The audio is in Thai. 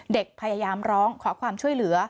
เด็กพยายามร้องขอความช่วยเหลือ